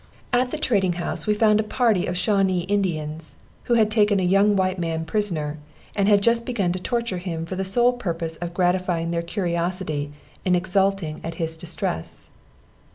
At the trading house we found a party of Shawnee Indians, who had taken a young white man prisoner, and had just begun to torture him for the sole purpose of gratifying their curiosity in exulting at his distress.